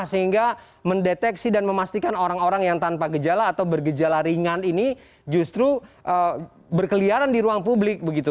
sehingga mendeteksi dan memastikan orang orang yang tanpa gejala atau bergejala ringan ini justru berkeliaran di ruang publik begitu